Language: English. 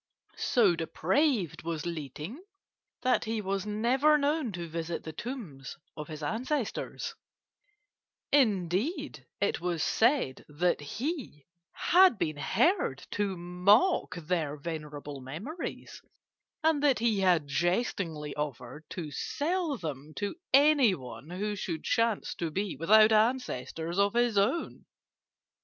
So depraved was Li Ting that he was never known to visit the tombs of his ancestors; indeed, it was said that he had been heard to mock their venerable memories, and that he had jestingly offered to sell them to anyone who should chance to be without ancestors of his own.